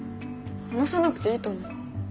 話さなくていいと思う。